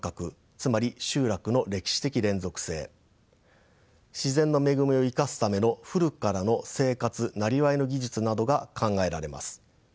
つまり集落の歴史的連続性自然の恵みを生かすための古くからの生活なりわいの技術などが考えられます。